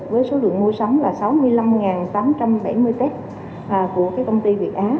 với số lượng mua sắm là sáu mươi năm tám trăm bảy mươi test của công ty việt á